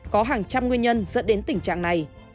có hàng trăm nguyên nhân dẫn đến tình trạng này